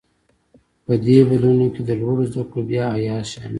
په دې بدلونونو کې د لوړو زده کړو بیا احیا شامل و.